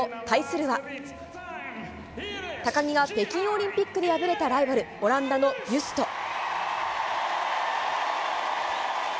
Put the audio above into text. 対するは、高木が北京オリンピックで敗れたライバルオランダのビュスト。